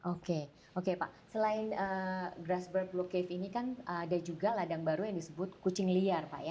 oke oke pak selain grassberg blue cave ini kan ada juga ladang baru yang disebut kucing liar pak ya